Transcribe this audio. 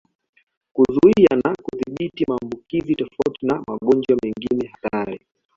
"Kuzuia na kudhibiti maambukizi tofauti na magonjwa mengine hatari"